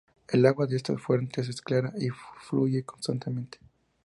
El agua de estas fuentes es clara y fluye constantemente.